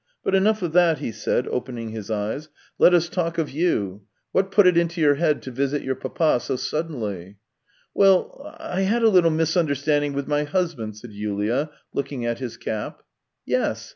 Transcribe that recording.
But enough of that," he said, opening his eyes; " let us talk of 264 THE TALES OF TCHEHOV you. What put it into your head to visit your papa so suddenly ?"" Well. ... I had a little misunderstanding with my husband," said Yulia, looking at his cap. " Yes.